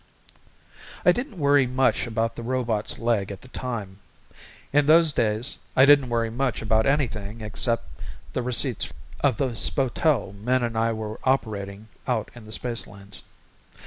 I didn't worry much about the robot's leg at the time. In those days I didn't worry much about anything except the receipts of the spotel Min and I were operating out in the spacelanes.